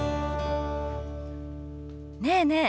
ねえねえ